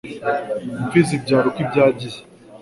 Impfizi ibyara uko ibyagiye